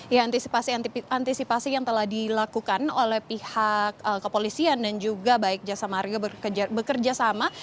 ya antisipasi antisipasi yang telah dilakukan oleh pihak kepolisian dan juga baik jasa marga bekerja sama